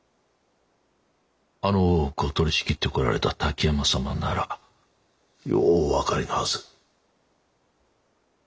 あの大奥を取りしきってこられた滝山様ならようお分かりのはず。